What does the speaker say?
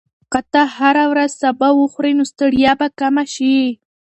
که ته هره ورځ سبو وخورې، نو ستړیا به کمه شي.